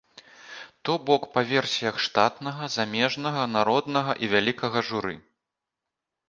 То бок, па версіях штатнага, замежнага, народнага і вялікага журы.